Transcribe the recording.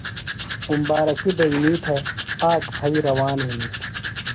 اُمبارکیۡ دینئی تھےۡ، آک پھئی روان ہِنیۡ۔